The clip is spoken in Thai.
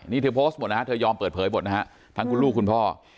นี่เธอโพสต์หมดนะฮะเธอยอมเปิดเผยหมดนะฮะทั้งคุณลูกคุณพ่อ